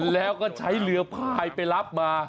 แล้วก็ใช้เรือพายไปรับมา